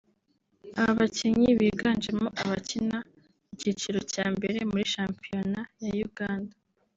Aba bakinnyi biganjemo abakina mu cyiciro cya mbere muri shampiyoan ya Uganda